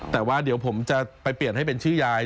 แต่ว่าเดี๋ยวผมจะไปเปลี่ยนให้เป็นชื่อยาย